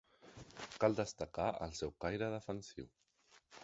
Cal destacar el seu caire defensiu.